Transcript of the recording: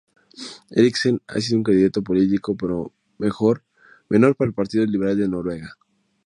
Eriksen ha sido un candidato político menor para el Partido Liberal de Noruega.